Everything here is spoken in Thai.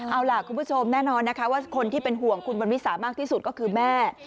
เอาล่ะคุณผู้ชมแน่นอนนะคะว่าคนที่เป็นห่วงคุณวันวิสามากที่สุดก็คือแม่